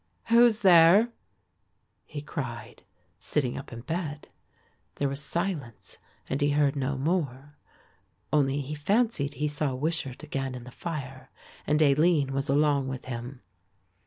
"Who is there?" he cried, sitting up in bed. There was silence and he heard no more, only he fancied he saw Wishart again in the fire and Aline was along with him.